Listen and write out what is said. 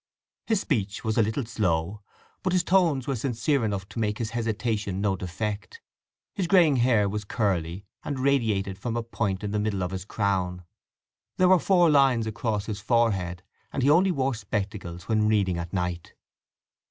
His speech was a little slow, but his tones were sincere enough to make his hesitation no defect. His greying hair was curly, and radiated from a point in the middle of his crown. There were four lines across his forehead, and he only wore spectacles when reading at night.